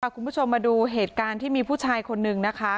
คุณผู้ชมมาดูเหตุการณ์ที่มีผู้ชายคนนึงนะคะ